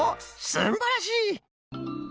すんばらしい！